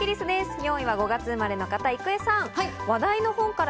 ４位は５月生まれの方、郁恵さん。